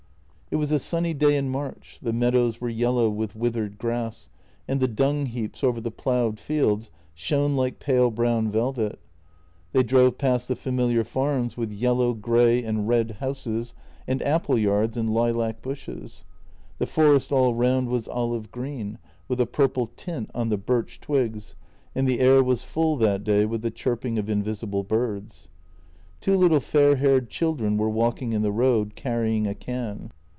It was a sunny day in March ; the meadows were yellow with with ered grass, and the dung heaps over the ploughed fields shone like pale brown velvet. They drove past the familiar farms with yellow, grey, and red houses and apple yards and lilac bushes. The forest all round was olive green, with a purple tint on the birch twigs, and the air was full that day with the chirping of invisible birds. Two little fair haired children were walking in the road, carrying a can.